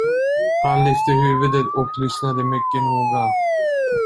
Han lyfte huvudet och lyssnade mycket noga.